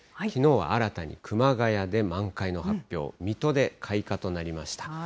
きのうは新たに熊谷で満開の発表、水戸で開花となりました。